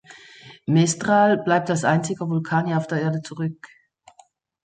Mestral bleibt als einziger Vulkanier auf der Erde zurück.